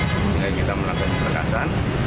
sehingga kita melakukan perikasan